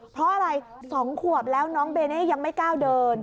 เพราะอะไร๒ขวบแล้วน้องเบเน่ยังไม่กล้าเดิน